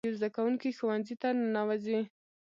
یو زده کوونکی ښوونځي ته ننوځي.